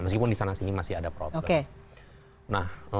meskipun di sana sini masih ada problem